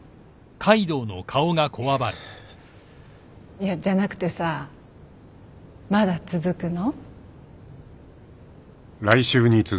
いやじゃなくてさまだ続くの？